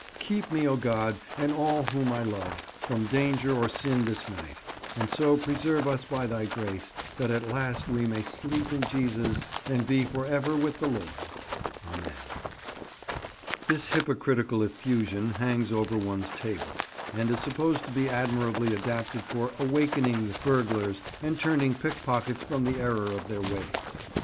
Keep me, O God, and all whom I love, from danger or sin this night, and so preserve us by Thy grace that at last we may sleep in Jesus and be for ever with the Lord. Amen. This hypocritical effusion hangs over one's table, and is supposed to be admirably adapted for "awakening" burglars, and turning pickpockets from the error of their ways.